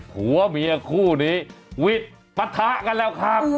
ผัวเมียคู่นี้วิทย์ปะทะกันแล้วครับ